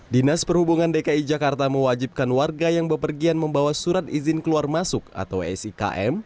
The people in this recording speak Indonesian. dinas perhubungan dki jakarta mewajibkan warga yang bepergian membawa surat izin keluar masuk atau sikm